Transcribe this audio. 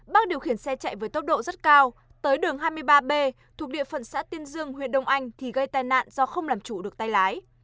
bác điều khiển xe chạy với tốc độ rất cao tới đường hai mươi ba b thuộc địa phận xã tiên dương huyện đông anh thì gây tai nạn do không làm chủ được tay lái